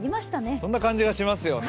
そんな感じがしますよね。